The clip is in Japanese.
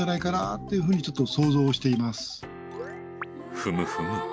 ふむふむ！